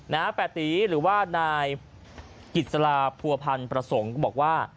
แปะตีหรือว่านายกิจสลาผัวพันธ์ประสงค์บอกว่า